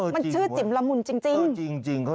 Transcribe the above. มันชื่อจิ๋มละมุนจริงชื่อจริง